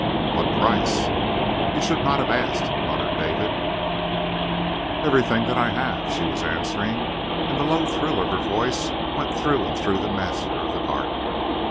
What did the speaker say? "What price?" "He should not have asked," muttered David. "Everything that I have," she was answering, and the low thrill of her voice went through and through the master of the Garden.